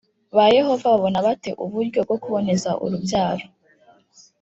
ba Yehova babona bate uburyo bwo kuboneza urubyaro